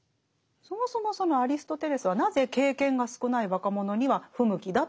そもそもそのアリストテレスはなぜ経験が少ない若者には不向きだって言ってるんですか？